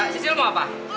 sisil mau apa